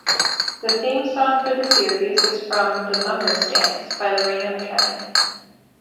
The theme song for the series is from "The Mummers' Dance" by Loreena McKennitt.